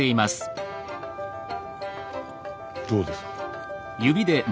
どうですか？